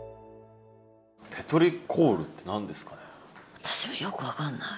私もよく分かんない。